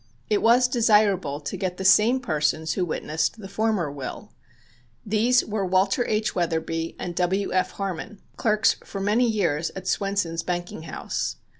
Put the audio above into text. It was desirable to get the same persons who witnessed the former will. These were Walter H. Wetherbee and W. F. Harmon, clerks for many years at Swenson's banking house.